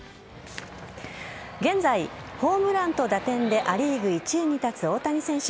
現在、ホームランと打点でア・リーグ１位に立つ大谷選手。